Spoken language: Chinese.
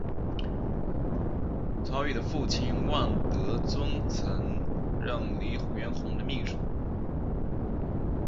曹禺的父亲万德尊曾任黎元洪的秘书。